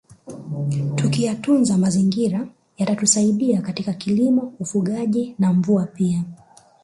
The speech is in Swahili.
Tukiyatunza mazingira yatatusaidia katika kilimo ufugaji na mvua pia